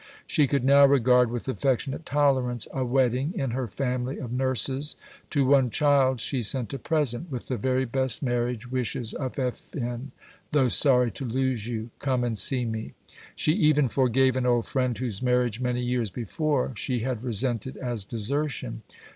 She could now regard with affectionate tolerance a wedding in her family of nurses. To one "child" she sent a present "With the very best marriage wishes of F. N., though sorry to lose you. Come and see me." She even forgave an old friend whose marriage many years before she had resented as "desertion."